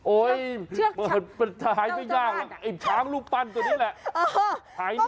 โอ้ยถ่ายไม่ยากไอ้ช้างลูกปันตัวนี้แหละ